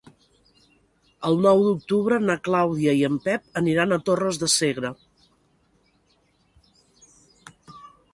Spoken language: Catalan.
El nou d'octubre na Clàudia i en Pep aniran a Torres de Segre.